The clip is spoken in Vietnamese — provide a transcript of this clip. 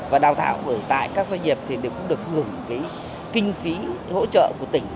và đào tạo ở tại các doanh nghiệp thì cũng được hưởng kinh phí hỗ trợ của tỉnh